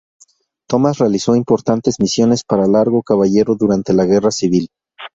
Tomás realizó importantes misiones para Largo Caballero durante la Guerra Civil.